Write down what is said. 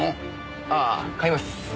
ああっ買います！